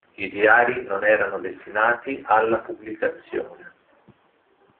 I diari non erano destinati alla pubblicazione.